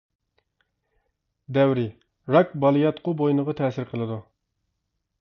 دەۋرى: راك بالىياتقۇ بوينىغا تەسىر قىلىدۇ.